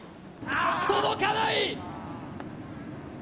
届かない！